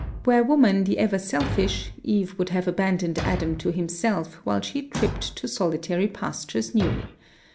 Were woman the ever selfish, Eve would have abandoned Adam to himself while she tripped to solitary pastures new.